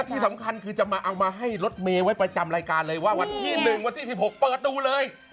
ที่สำคัญคือจะมาเอามาให้รถเมย์ไว้ประจำรายการเลยว่าวันที่๑วันที่๑๖เปิดดูเลย